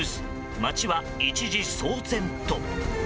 町は一時騒然と。